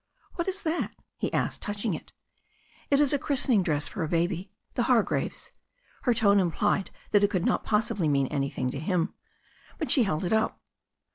'What is that?" he asked, touching it. It is a christening dress for a baby — ^the Hargraves'." Her tone implied that it could not possibly mean anything to him. But she held it up.